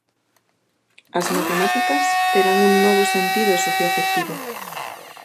As matemáticas terán un novo sentido socioafectivo.